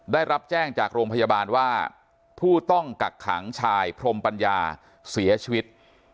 ได้รับแจ้งจากโรงพยาบาลว่าผู้ต้องกักขังชายพรมปัญญาเสียชีวิต